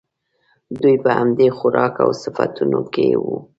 دوی په همدې خوراک او صفتونو کې وو.